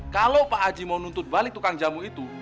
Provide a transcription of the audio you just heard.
kalo pak haji mau nuntut balik tukang jamu itu